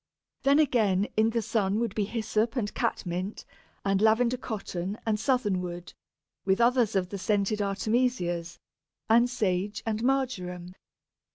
Then again in the sun would be Hyssop and Catmint, and Lavender cotton and Southernwood, with others of the scented Artemisias, and Sage and Marjoram.